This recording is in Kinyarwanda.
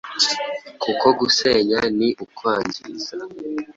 kuko gusenya ni ukwangiza.